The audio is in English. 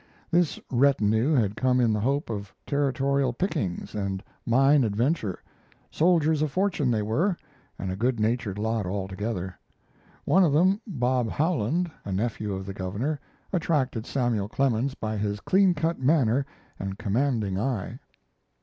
] This retinue had come in the hope of Territorial pickings and mine adventure soldiers of fortune they were, and a good natured lot all together. One of them, Bob Howland, a nephew of the governor, attracted Samuel Clemens by his clean cut manner and commanding eye.